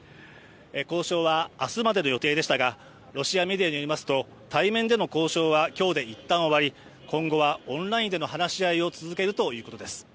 交渉は明日までの予定でしたがロシアメディアによりますと対面での交渉は今日で一旦終わり今後はオンラインでの話し合いを続けるということです。